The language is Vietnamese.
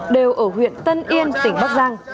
đều ở huyện tân yên tỉnh bắc giang